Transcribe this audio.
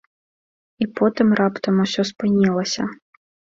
І потым раптам усё спынілася.